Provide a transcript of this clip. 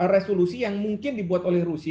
resolusi yang mungkin diberikan oleh amerika serikat